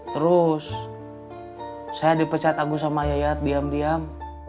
terus saya dipecat agung sama yayat diam diam